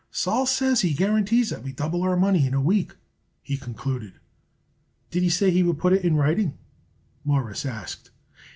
"Sol says he guarantees that we double our money in a week," he concluded. "Did he say he would put it in writing?" Morris asked.